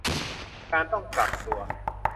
การต้องปรับตัว